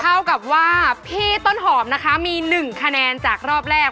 เท่ากับว่าพี่ต้นหอมนะคะมี๑คะแนนจากรอบแรก